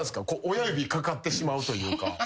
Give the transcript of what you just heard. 親指かかってしまうというか。